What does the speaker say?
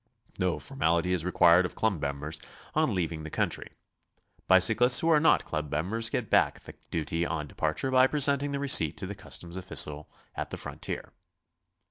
No formality is required of club members on leaving the country. Bicyclists who are not club members get back the duty on departure by presenting the receipt to the cus toms official at the frontier.